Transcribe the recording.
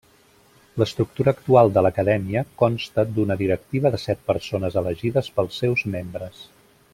L’estructura actual de l’Acadèmia consta d'una directiva de set persones elegides pels seus membres.